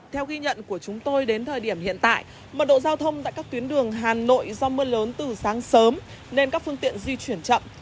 theo ghi nhận của chúng tôi đến thời điểm hiện tại mật độ giao thông tại các tuyến đường hà nội do mưa lớn từ sáng sớm nên các phương tiện di chuyển chậm